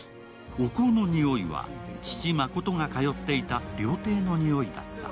お香の匂いは父・誠が通っていた料亭の匂いだった。